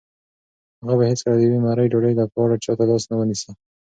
هغه به هیڅکله د یوې مړۍ ډوډۍ لپاره چا ته لاس ونه نیسي.